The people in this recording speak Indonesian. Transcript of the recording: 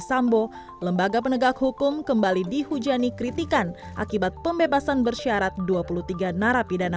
sambo lembaga penegak hukum kembali dihujani kritikan akibat pembebasan bersyarat dua puluh tiga narapidana